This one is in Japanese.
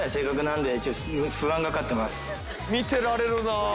見てられるな。